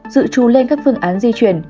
dự trù lên các phương án di chuyển